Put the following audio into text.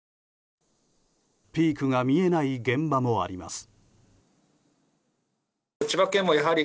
ピークが見えない現場もあります。